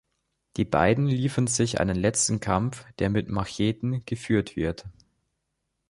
Die beiden liefern sich einen letzten Kampf, der mit Macheten geführt wird.